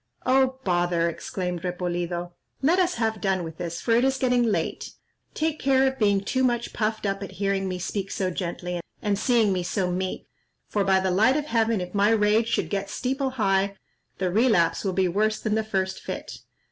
"Oh, bother!" exclaimed Repolido; "let us have done with this, for it is getting late; take care of being too much puffed up at hearing me speak so gently, and seeing me so meek; for, by the light of heaven, if my rage should get steeple high, the relapse will be worse than the first fit.